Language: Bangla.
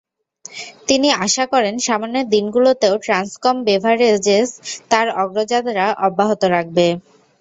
তিনি আশা করেন, সামনের দিনগুলোতেও ট্রান্সকম বেভারেজেস তার অগ্রযাত্রা অব্যাহত রাখবে।